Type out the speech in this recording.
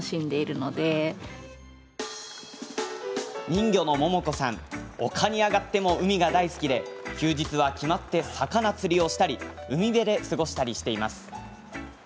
人魚の百桃子さん丘に上がっても海が大好きで休日は決まって魚釣りをしたり海辺で過ごしたりしています。